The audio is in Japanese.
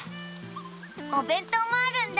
おべんとうもあるんだ。